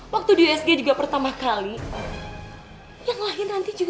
waktu di usg juga pertama kali